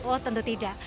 oh tentu tidak